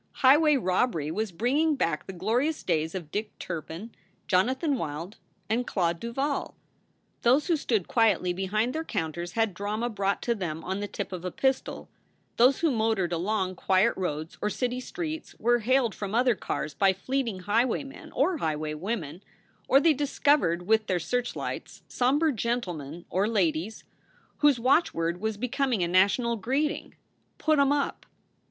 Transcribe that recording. Highway rob bery was bringing back the glorious days of Dick Turpin, Jonathan Wild, and Claude Duval. Those who stood quietly behind their counters had drama brought to them on the tip of a pistol; those who motored along quiet roads or city streets were hailed from other cars by fleeting highwaymen or highwaywomen; or they discovered with their search lights somber gentlemen (or ladies) whose watchword was becoming a national greeting "Put em up!"